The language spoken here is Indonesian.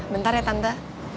bentar ya tante